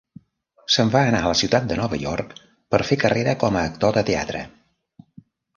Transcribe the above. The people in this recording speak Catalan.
Se'n va anar a la ciutat de Nova York per fer carrera com a actor de teatre.